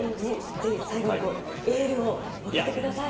ぜひ最後にエールを送ってください。